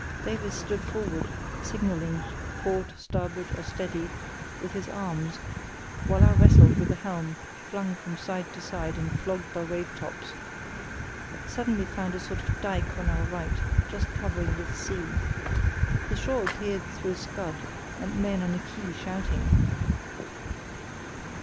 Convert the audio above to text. Davies stood forward, signalling—port, starboard, or steady—with his arms, while I wrestled with the helm, flung from side to side and flogged by wave tops. Suddenly found a sort of dyke on our right just covering with sea. The shore appeared through scud, and men on a quay shouting.